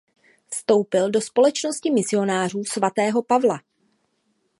Vstoupil do Společnosti misionářů svatého Pavla.